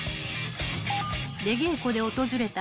［出稽古で訪れた］